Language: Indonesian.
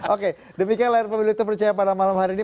oke demikian layar pemilu terpercaya pada malam hari ini